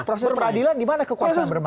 proses peradilan dimana kekuasaan bermain